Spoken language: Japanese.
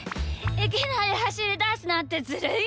いきなりはしりだすなんてずるいよ。